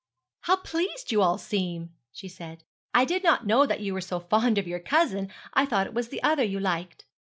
'How pleased you all seem!' she said. 'I did not know you were so fond of your cousin. I thought it was the other you liked.'